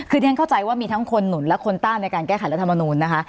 คือที่ฉันเข้าใจว่ามีทั้งคนหนุนและคนต้านในการแก้ไขรัฐมนูลนะคะ